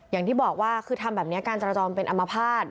อย่างที่บอกว่าคือทำแบบนี้การจราจรเป็นอมภาษณ์